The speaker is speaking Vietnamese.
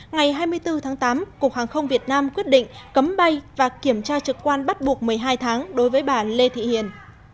ngày hai mươi bốn tháng tám cục hàng không việt nam quyết định cấm bay và kiểm tra trực quan bắt buộc một mươi hai tháng đối với bà lê thị hiền